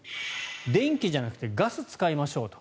電気じゃなくてガスを使いましょうと。